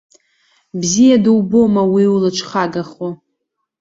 Бзиа дубома уи улыҿхагахо?